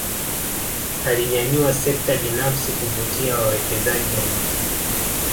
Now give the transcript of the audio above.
Alinyanyua sekta binafsi kuvutia wawekezaji wa nje